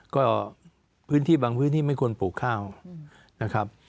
ก็บางพื้นที่ไม่ควรปลูกข้าวนะครับ